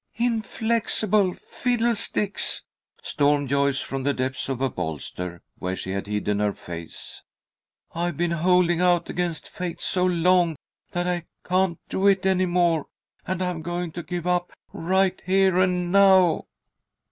"Inflexible fiddlesticks!" stormed Joyce from the depths of a bolster, where she had hidden her face, "I've been holding out against fate so long that I can't do it any more, and I'm going to give up, right here and now!"